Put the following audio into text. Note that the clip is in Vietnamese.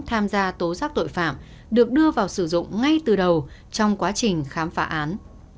tham gia tố giác tội phạm được đưa vào sử dụng ngay từ đầu trong quá trình khám phá án